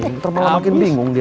nanti malah makin bingung dia